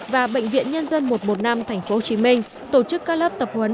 và bệnh viện nhân dân một trăm một mươi năm tp hcm tổ chức các lớp tập huấn